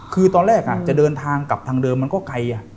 คือตอนแรกจะเดินทางกลับทางเดิมมันก็ไกล